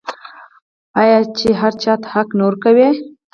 آیا چې هر چا ته حق نه ورکوي؟